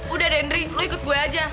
udah dendri lo ikut gue aja